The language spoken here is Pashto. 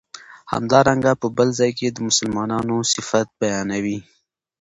همدارنګه په بل ځای کی د مسلمانو صفت بیانوی